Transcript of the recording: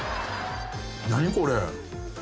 何これ。